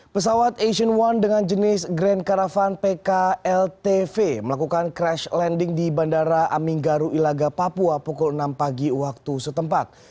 pesawat asian one dengan jenis grand karavan pkltv melakukan crash landing di bandara aminggaru ilaga papua pukul enam pagi waktu setempat